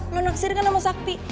lo naksir dengan sama sakti